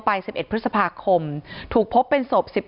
ที่มีข่าวเรื่องน้องหายตัว